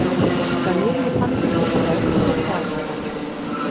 Daneben befand sich das gräfliche Forsthaus.